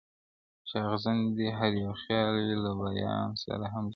چي اغزن دي هر یو خیال وي له بیابان سره همزولی-